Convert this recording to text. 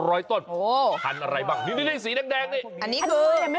โอ้โหท่านอะไรบ้างนี่สีแดงนี่โคไนซี่สีแดงอันนี้คือยังไม่เคยเห็นเลย